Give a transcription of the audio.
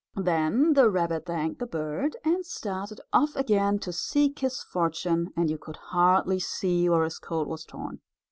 Then the rabbit thanked the bird and started off again to seek his fortune and you could hardly see where his coat was torn.